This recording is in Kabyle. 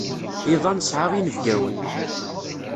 Iḍ-a nesɛa inebgawen.